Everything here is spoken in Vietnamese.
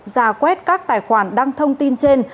ra quét các tài khoản đăng thông tin trên